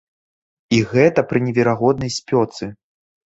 І гэта пры неверагоднай спёцы.